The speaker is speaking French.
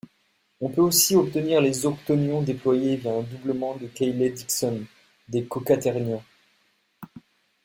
On peut aussi obtenir les octonions déployés via un doublement de Cayley-Dickson des coquaternions.